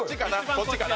こっちかな？